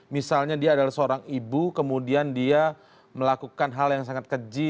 misalnya dia adalah seorang ibu kemudian dia melakukan hal yang sangat keji